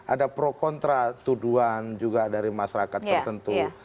ada pro kontra tuduhan juga dari masyarakat tertentu